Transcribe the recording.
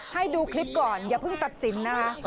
ให้ดูคลิปก่อนอย่าเพิ่งตัดสินนะคะ